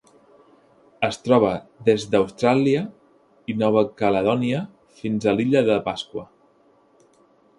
Es troba des d'Austràlia i Nova Caledònia fins a l'Illa de Pasqua.